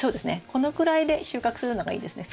このくらいで収穫するのがいいですね。